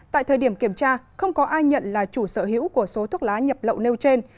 tại thời điểm kiểm tra không có ai nhận là chủ sở hữu của số thuốc lá nhập lậu nêu trên